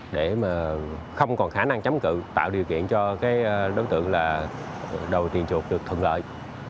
để mà không còn khả năng chống cự tạo điều kiện cho cái đối tượng là đồ tiền chuột được thuận lợi